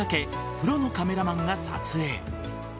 プロのカメラマンが撮影。